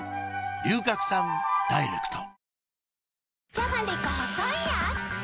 じゃがりこ細いやーつ